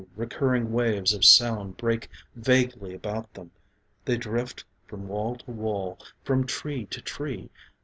Recurring waves of sound break vaguely about them, They drift from wall to wall, from tree to tree.